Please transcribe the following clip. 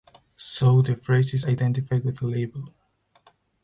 So, the phrase is identified with a label.